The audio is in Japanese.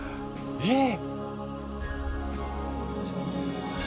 えっ？